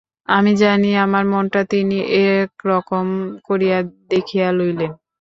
আমি জানি, আমার মনটা তিনি একরকম করিয়া দেখিয়া লইলেন।